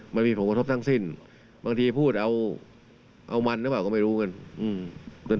มันมีผลกระทบทั้งสิ้นบางทีพูดเอามันหรือเปล่าก็ไม่รู้กัน